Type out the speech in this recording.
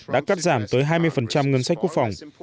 đã cắt giảm tới hai mươi ngân sách quốc phòng